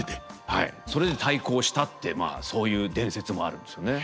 はいそれで対抗したってまあそういう伝説もあるんですよね。